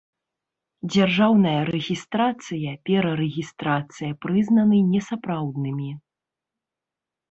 Дзяржаўная рэгiстрацыя, перарэгiстрацыя прызнаны несапраўднымi.